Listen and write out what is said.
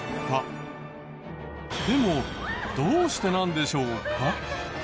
でもどうしてなんでしょうか？